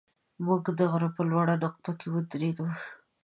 موږ د غره په لوړه نقطه کې ودرېدو.